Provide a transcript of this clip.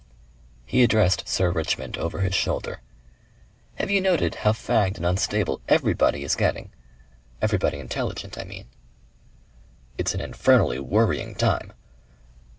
He addressed Sir Richmond over his shoulder. "Have you noted how fagged and unstable EVERYBODY is getting? Everybody intelligent, I mean." "It's an infernally worrying time."